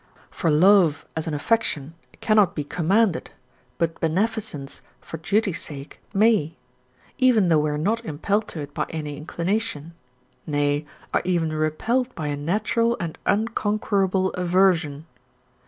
For love, as an affection, cannot be commanded, but beneficence for duty's sake may; even though we are not impelled to it by any inclination nay, are even repelled by a natural and unconquerable aversion.